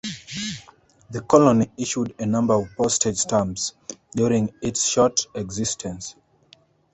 The colony issued a number of postage stamps during its short existence.